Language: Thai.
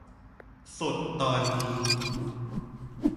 สดตอนนี้